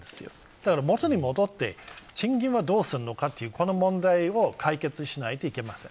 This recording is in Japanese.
だから元に戻って、賃金はどうするのかという、この問題を解決しないといけません。